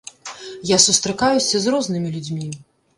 Я сустракаюся з рознымі людзьмі.